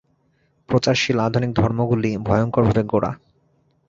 প্রচারশীল আধুনিক ধর্মগুলি ভয়ঙ্করভাবে গোঁড়া।